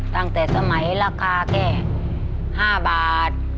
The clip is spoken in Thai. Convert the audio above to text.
ตั้งแต่สมัยราคาแค่๕บาท